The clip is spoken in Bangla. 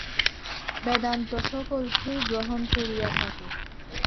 বেদান্ত সকলকেই গ্রহণ করিয়া থাকে।